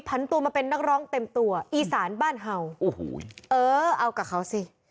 พันตัวมาเป็นนักร้องเต็มตัวอีสานบ้านเห่าโอ้โหเออเอากับเขาสิ